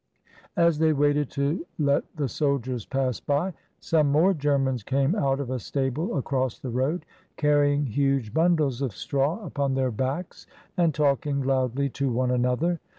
As they waited to let hie soldiers pass^y, some more Germans came out >f a stable across the road, carrying huge bundles 204 MRS. DYMOND. of Straw upon their backs and talking loudly to one another.